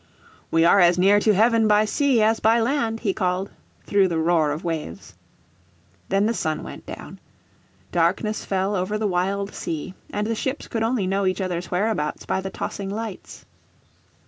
"We are as near to heaven by sea as by land," he called, through the roar of waves. Then the sun went down. Darkness fell over the wild sea, and the ships could only know each other's whereabouts by the tossing lights.